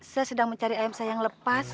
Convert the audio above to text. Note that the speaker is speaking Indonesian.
saya sedang mencari ayam saya yang lepas